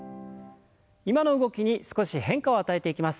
今の動きに少し変化を与えていきます。